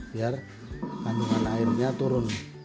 biar kandungan airnya turun